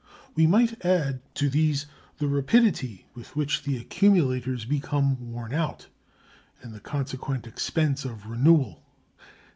We might add to these the rapidity with which the accumulators become worn out, and the consequent expense of renewal.